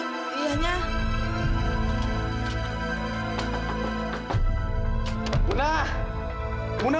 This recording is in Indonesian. maka siapa yang paham mbak